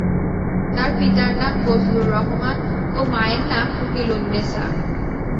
তার পিতার নাম বজলুর রহমান ও মায়ের নাম উকিলুন্নেচ্ছা।